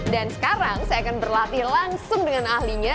dan sekarang saya akan berlatih langsung dengan ahlinya